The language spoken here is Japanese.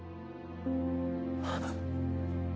あっ！